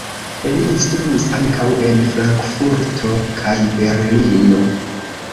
Li instruis ankaŭ en Frankfurto kaj Berlino.